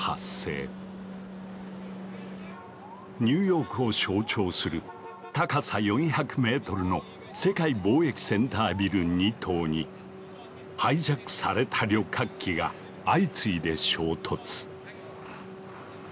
ニューヨークを象徴する高さ４００メートルの世界貿易センタービル２棟にハイジャックされた旅客機が相次いで衝突。